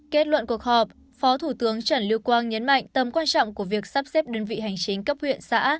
kết luận cuộc họp phó thủ tướng trần lưu quang nhấn mạnh tầm quan trọng của việc sắp xếp đơn vị hành chính cấp huyện xã